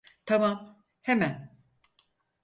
Tamam, hemen.